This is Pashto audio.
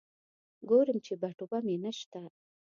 ګورم چې بټوه مې نشته.